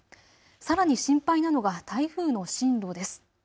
さらに心配なのが台風の進路です。